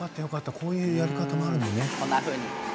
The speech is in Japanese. こういうやり方もあるのね。